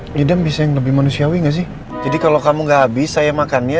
pelidam bisa yang lebih manusiawi gak sih jadi kalau kamu nggak habis saya makannya